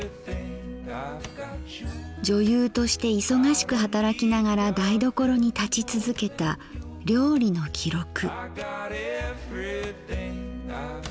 女優として忙しく働きながら台所に立ち続けた料理の記録。